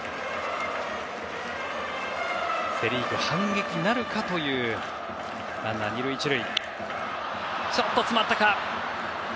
セ・リーグ、反撃なるかというランナー２塁１塁。